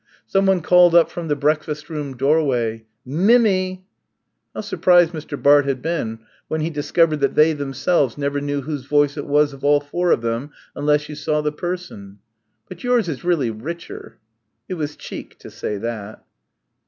Someone called up from the breakfast room doorway, "Mim my!" How surprised Mr. Bart had been when he discovered that they themselves never knew whose voice it was of all four of them unless you saw the person, "but yours is really richer" ... it was cheek to say that.